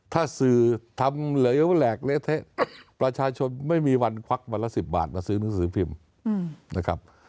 ถ้าสื่อทำเหลวแหลกเละเทะประชาชนไม่มีวันควักวันละ๑๐บาทมาซื้อหนังสือพิมพ์นะครับ